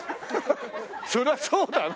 そりゃそうだな。